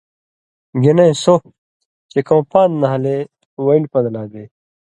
گی نَیں سو، چے کؤں پان٘د نھالے وَیلیۡ پن٘دہۡ لا بے۔